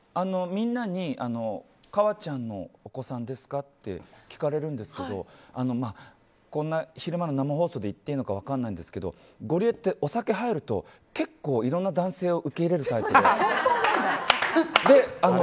みんなに川ちゃんのお子さんですか？って聞かれるんですけどこんな昼間の生放送で言っていいのか分からないんですけどゴリエってお酒入ると結構いろいろな男性を受け入れるタイプなの。